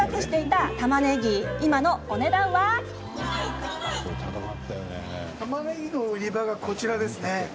たまねぎの売り場がこちらですね。